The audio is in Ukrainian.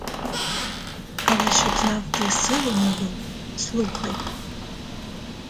Але щоб знав ти силу мою — слухай.